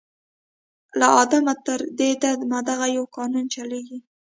« له آدمه تر دې دمه دغه یو قانون چلیږي